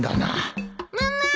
ママ！